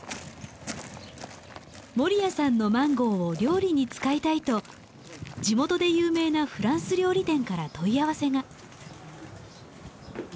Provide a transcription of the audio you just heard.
守屋さんのマンゴーを料理に使いたいと地元で有名なフランス料理店から問い合わせが。